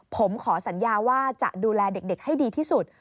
ผมขอสัญญาว่าจะดูแลเด็กให้ดีที่สุด